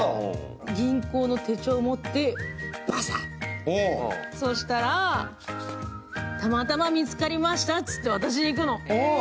銀行の手帳を持ってそうしたら、たまたま見つかりましたと言って渡しにいくの。